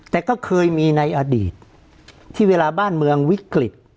แต่ก็เคยมีในอดีตที่เวลาบ้านเมืองวิกฤต